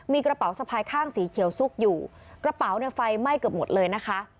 มีกระเป๋าสะพายข้างสีเขียวซุกอยู่กระเป๋าเนี่ยไฟไหม้เกือบหมดเลยนะคะ